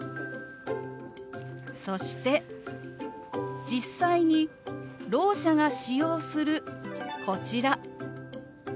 そして実際にろう者が使用するこちら。